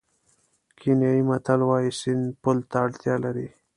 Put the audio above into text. کینیايي متل وایي سیند پل ته اړتیا لري.